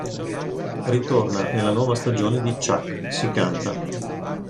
Ritorna nella nuova stagione di Ciak... si canta!